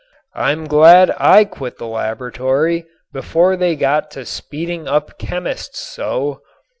I'm glad I quit the laboratory before they got to speeding up chemists so.